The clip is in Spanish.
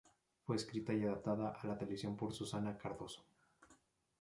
Fue escrita y adaptada a la televisión por Susana Cardozo.